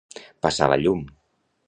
Passar la llum.